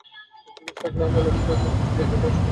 জিনিসটার ঘ্রাণ অ্যালমন্ডের মতো ছিল, যেটা আসলে সায়ানাইড।